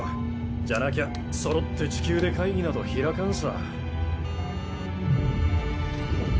じゃなきゃそろって地球で会議など開かんさ。